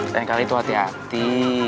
ternyata itu hati hati